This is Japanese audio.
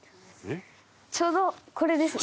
ちょうどこれです。